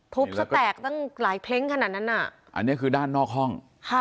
ซะแตกตั้งหลายเพลงขนาดนั้นอ่ะอันนี้คือด้านนอกห้อง